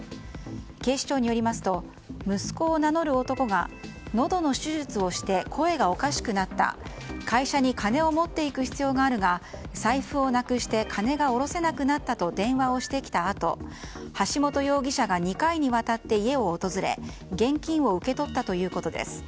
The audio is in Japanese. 警視庁によりますと息子を名乗る男がのどの手術をして声がおかしくなった会社に金を持っていく必要があるが財布をなくして金が下ろせなくなったと電話をしてきたあと橋本容疑者が２回にわたって家を訪れ現金を受け取ったということです。